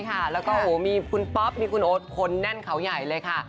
แล้วก็โอ้โหมีคุณป๊อปมีคุณโอ๊ตคนแน่นเขาใหญ่เลยค่ะ